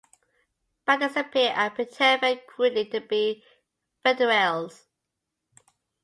Bandits appear and pretend, very crudely, to be "Federales".